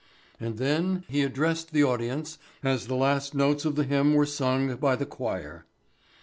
And then he addressed the audience as the last notes of the hymn were sung by the choir.